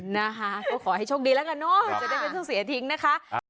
นะคะก็ขอให้โชคดีแล้วกันเนอะจะได้ไม่ต้องเสียทิ้งนะคะ